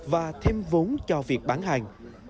và thêm vốn cho việc bán hàng